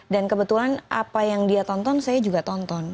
dan kebetulan apa yang dia tonton saya juga tonton